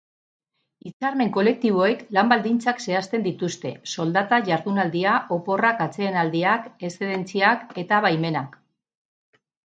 Hitzarmen kolektiboek lan baldintzak zehazten dituzte: soldata, jardunaldia, oporrak, atsedenaldiak, eszedentziak eta baimenak.